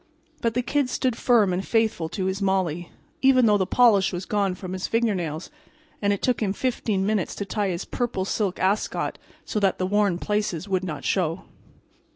But the Kid stood firm and faithful to his Molly, even though the polish was gone from his fingernails and it took him 15 minutes to tie his purple silk ascot so that the worn places would not show.